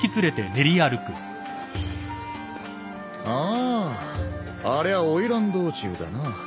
あありゃ花魁道中だな。